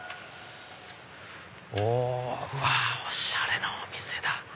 おしゃれなお店だ。